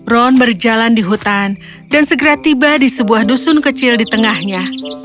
ron berjalan di hutan dan segera tiba di sebuah dusun kecil di tengahnya